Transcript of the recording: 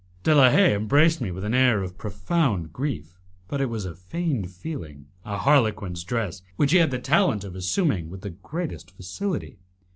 De la Haye embraced me with an air of profound grief, but it was a feigned feeling a harlequin's dress, which he had the talent of assuming with the greatest facility.